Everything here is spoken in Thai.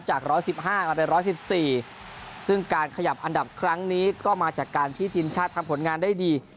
จากร้อยสิบห้ามาไปร้อยสิบสี่ซึ่งการขยับอันดับครั้งนี้ก็มาจากการที่ทีมชาติทำผลงานได้ดี